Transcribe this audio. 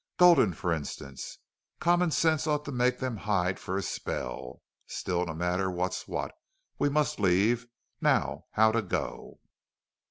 Gulden, for instance! Common sense ought to make them hide for a spell. Still, no matter what's what, we must leave.... Now, how to go?"